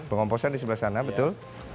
pengomposan di sebelah sana betul